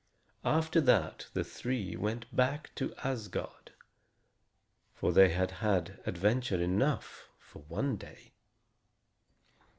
After that the three went back to Asgard, for they had had adventure enough for one day.